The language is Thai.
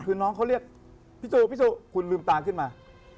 คือน้องเขาเรียกพี่สุคุณลืมตาขึ้นมา